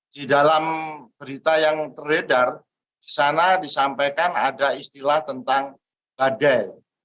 di dalam berita yang terledar disana disampaikan ada istilah tentang badai